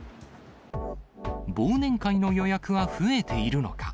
忘年会の予約は増えているのか。